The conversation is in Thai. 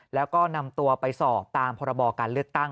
แล้วก็นำตัวไปสอบตามพรบการเลือกตั้ง